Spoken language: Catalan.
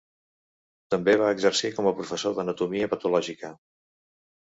També va exercir com a professor d'anatomia patològica.